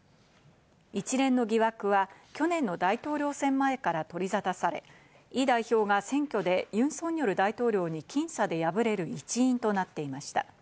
一連の疑惑は去年の大統領選前から取り沙汰され、イ代表が選挙でユン・ソンニョル大統領に僅差で敗れる一因となっていました。